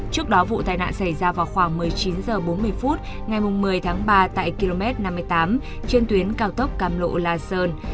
trước đó vụ tai nạn xảy ra vào khoảng một mươi chín h bốn mươi phút ngày một mươi tháng ba tại km năm mươi tám trên tuyến cao tốc cam lộ la sơn